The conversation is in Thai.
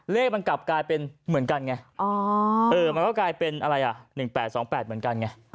เลขมันกลับกลายเป็นเหมือนกันไงมันก็กลายเป็นอะไรอ่ะ๑๘๒๘เหมือนกันไง